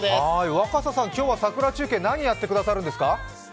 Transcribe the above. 若狭さん、今日は桜中継何をやってくださるんですか？